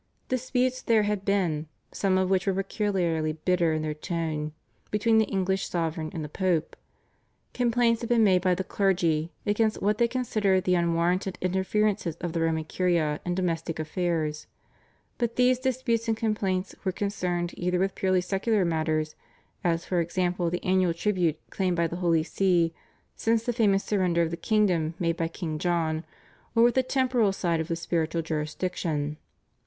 Disputes there had been, some of which were peculiarly bitter in their tone, between the English sovereigns and the Pope. Complaints had been made by the clergy against what they considered the unwarranted interferences of the Roman Curia in domestic affairs; but these disputes and complaints were concerned either with purely secular matters, as for example the annual tribute claimed by the Holy See since the famous surrender of the kingdom made by King John, or with the temporal side of the spiritual jurisdiction.